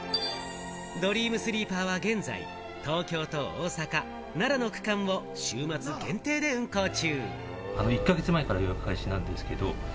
ドリームスリーパーは現在、東京と大阪・奈良の区間を週末限定で運行中。